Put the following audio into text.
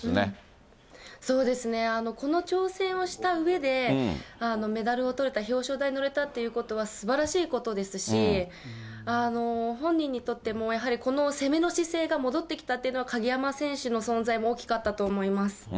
この挑戦をしたうえで、メダルをとれた、表彰台に乗れたということは、すばらしいことですし、本人にとっても、やはりこの攻めの姿勢が戻ってきたっていうのは、鍵山選手の存在も大きかったと思います。